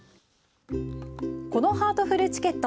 このハートフルチケット